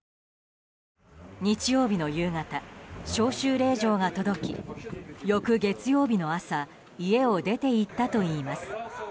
日曜日の夕方、招集令状が届き翌月曜日の朝家を出て行ったといいます。